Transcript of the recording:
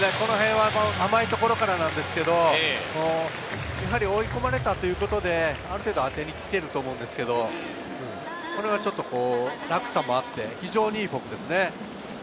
甘いところからなんですけれど、追い込まれたということで、ある程度、当てに来ていると思うんですけれど、落差もあって非常にいいフォークですね。